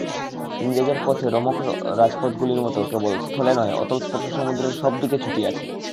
ইংরেজের পথ রোমক রাজপথগুলির মত কেবল স্থলে নহে, অতলস্পর্শ সমুদ্রের সব দিকে ছুটিয়াছে।